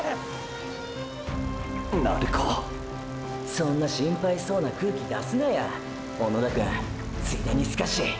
そんな心配そうな空気出すなや小野田くんついでにスカシ。